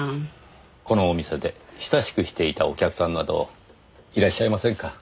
このお店で親しくしていたお客さんなどいらっしゃいませんか？